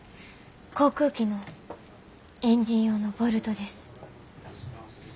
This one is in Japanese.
航空機のエンジン用のボルトです。